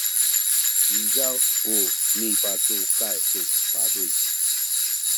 izaw ku mipacukay tu pabuy